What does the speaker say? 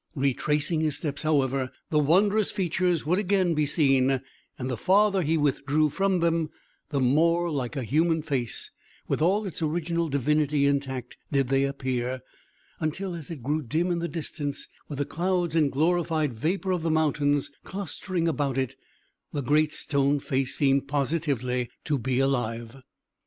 Retracing his steps, however, the wondrous features would again be seen; and the farther he withdrew from them, the more like a human face, with all its original divinity intact did they appear; until, as it grew dim in the distance, with the clouds and glorified vapour of the mountains clustering about it, the Great Stone Face seemed positively to be alive.